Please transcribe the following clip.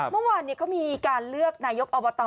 เมื่อวานเขามีการเลือกนายกอบต